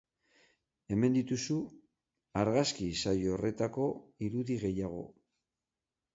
Hemen dituzu argazki-saio horretako irudi gehiago.